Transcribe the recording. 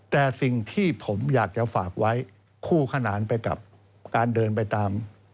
แต่สิ่งที่ผมอยากจะฝากไว้คู่ขนานไปกับการเดินไปตาม